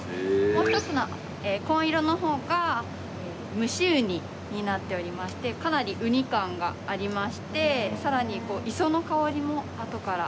もう一つの紺色の方が蒸し雲丹になっておりましてかなり雲丹感がありましてさらにこう磯の香りもあとから来るような。